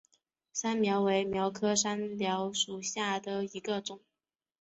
山蓼为蓼科山蓼属下的一个种。